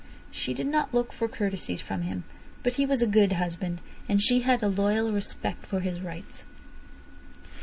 She did not look for courtesies from him. But he was a good husband, and she had a loyal respect for his rights.